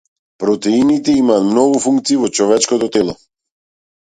Протеините имаат многу функции во човечкото тело.